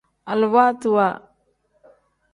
Aluwaatiwa.